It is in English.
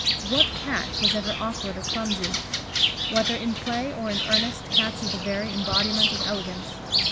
What Cat was ever awkward or clumsy? Whether in play or in earnest, Cats are the very embodiment of elegance.